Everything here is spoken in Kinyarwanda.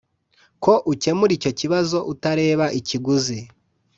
ko ukemura icyo kibazo atareba ikiguzi